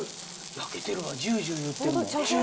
焼けてるわジュジュいってるもん。